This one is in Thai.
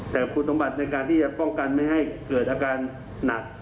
แต่คุณสมบัติในการที่จะป้องกันไม่ให้เกิดอาการหนัก